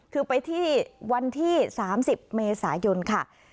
คือไปที่วันที่๓๐เมษายนค่ะ